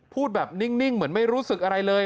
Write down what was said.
พูดแบบนิ่งเหมือนไม่รู้สึกอะไรเลย